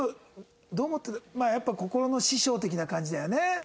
まあやっぱ心の師匠的な感じだよね？